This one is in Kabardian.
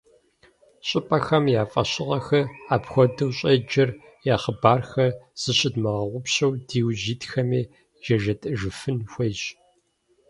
Щӏыпӏэхэм я фӏэщыгъэхэр, апхуэдэу щӏеджэр, я хъыбархэр зыщыдмыгъэгъупщэу диужь итхэми яжетӏэжыфын хуейщ.